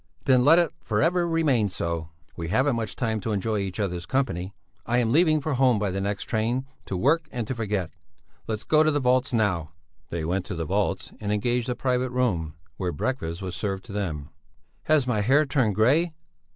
"Then let it for ever remain so! We haven't much time to enjoy each other's company. I am leaving for home by the next train, to work and to forget! Let's go to the vaults now." They went to the vaults and engaged a private room, where breakfast was served to them. "Has my hair turned grey?"